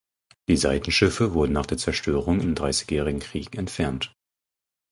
Die Seitenschiffe wurden nach der Zerstörung im Dreißigjährigen Krieg entfernt.